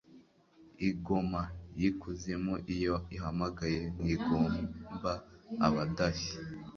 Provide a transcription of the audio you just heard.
Ingoma y'ikuzimu iyo ihamagaye ntigomba abadashye :